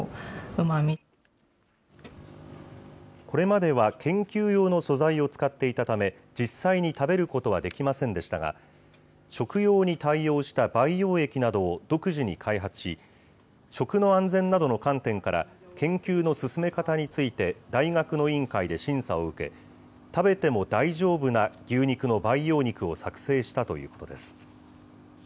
これまでは研究用の素材を使っていたため、実際に食べることはできませんでしたが、食用に対応した培養液などを独自に開発し、食の安全などの観点から、研究の進め方について、大学の委員会で審査を受け、食べても大丈夫な牛肉の培養肉を作成したということです。